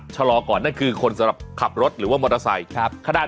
ชะลอก่อนนั่นคือคนสำหรับขับรถหรือว่ามอเตอร์ไซค์